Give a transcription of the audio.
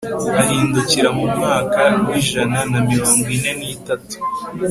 ahindukira mu mwaka w'ijana na mirongo ine n'itatu